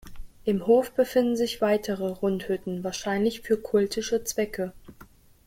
Im Hof befinden sich weitere Rundhütten wahrscheinlich für kultische Zwecke.